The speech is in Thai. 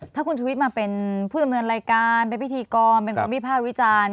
ถ้าคุณชุวิตมาเป็นผู้ดำเนินรายการเป็นพิธีกรเป็นคนวิภาควิจารณ์